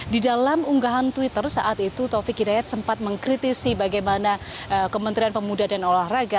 di dalam unggahan twitter saat itu taufik hidayat sempat mengkritisi bagaimana kementerian pemuda dan olahraga